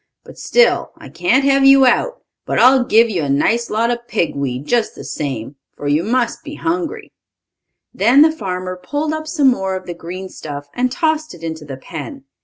But still I can't have you out. But I'll give you a nice lot of pig weed, just the same, for you must be hungry." Then the farmer pulled up some more of the green stuff, and tossed it into the pen.